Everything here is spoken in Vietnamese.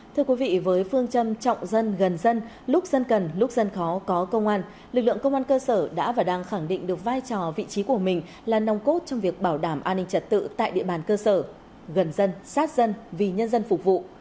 thưa quý vị với phương châm trọng dân gần dân lúc dân cần lúc dân khó có công an lực lượng công an cơ sở đã và đang khẳng định được vai trò vị trí của mình là nông cốt trong việc bảo đảm an ninh trật tự tại địa bàn cơ sở gần dân sát dân vì nhân dân phục vụ